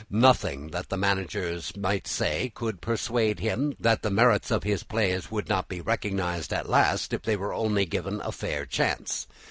Nothing that the managers might say could persuade him that the merits of his plays would not be recognised at last if they were only given a fair chance.